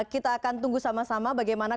kita akan tunggu sama sama bagaimana